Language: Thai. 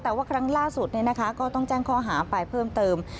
แต่ว่าครั้งล่าสุดเนี่ยนะคะก็ต้องแจ้งคอหาไปเพิ่มเติม